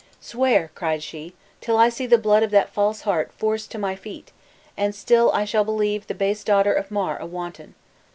"Swear," cried she, "till I see the blood of that false heart forced to my feet, and still I shall believe the base daughter of Mar a wanton.